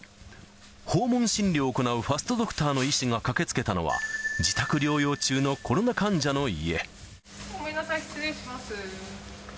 訪問診療を行うファストドクターの医師が駆けつけたのは、自宅療ごめんなさい、失礼します。